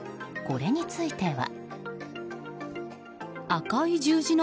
これについては。